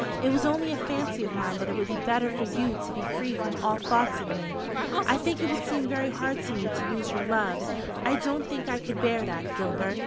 It was only a fancy of mine that it would be better for you to be free from all thoughts of me. I think it would seem very hard to me to lose your love. I don't think I could bear that, Gilbert."